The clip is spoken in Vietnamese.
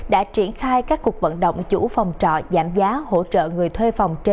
đã triển khai các cuộc vận động chủ phòng trọ giảm giá hỗ trợ người thuê